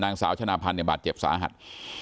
นางสาวชนะพันธ์เนี่ยบาดเจ็บสาหัส